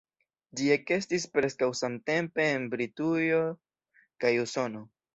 Ĝi ekestis preskaŭ samtempe en Britujo kaj Usono.